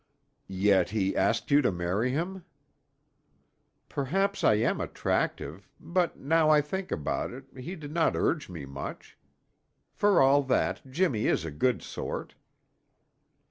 "Yet he asked you to marry him!" "Perhaps I am attractive; but now I think about it, he did not urge me much. For all that, Jimmy is a good sort."